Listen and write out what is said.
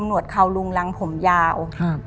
หวดเขาลุงรังผมยาว